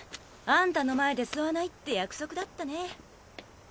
あんたの前で吸わないって約束だったね。